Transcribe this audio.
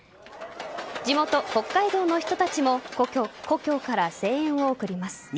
地元・北海道の人たちも故郷から声援を送ります。